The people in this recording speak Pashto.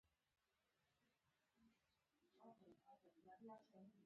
برټانیه غواړي په کابل استازی مقرر کړي.